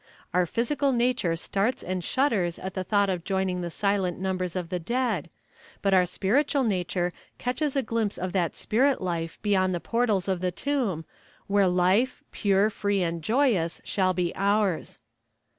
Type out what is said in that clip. Our physical nature starts and shudders at the thought of joining the silent numbers of the dead; but our spiritual nature catches a glimpse of that spirit life beyond the portals of the tomb, where life, pure, free and joyous, shall be ours."